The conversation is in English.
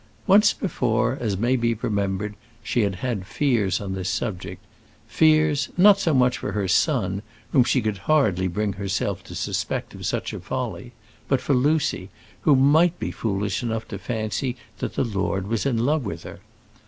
Once before, as may be remembered, she had had fears on this subject fears, not so much for her son, whom she could hardly bring herself to suspect of such a folly, but for Lucy, who might be foolish enough to fancy that the lord was in love with her.